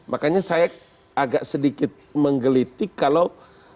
makanya saya agak sedikit menggelitik kalau